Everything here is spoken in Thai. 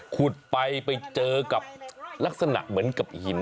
ขุดไปไปเจอกับลักษณะเหมือนกับหิน